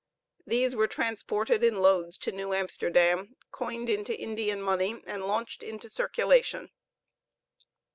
These were transported in loads to New Amsterdam, coined into Indian money, and launched into circulation.